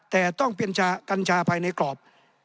แต่ต้องเปลี่ยนกัญชาไปในกรอบ